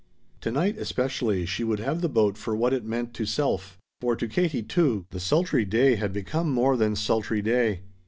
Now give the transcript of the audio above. Tonight, especially, she would have the boat for what it meant to self; for to Katie, too, the sultry day had become more than sultry day.